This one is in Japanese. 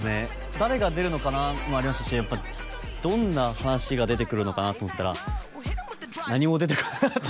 「誰が出るのかな」もありましたしどんな話が出てくるのかなと思ったら何も出てこなかった